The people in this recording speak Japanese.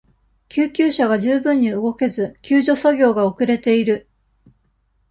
救急車が十分に動けず、救助作業が遅れている。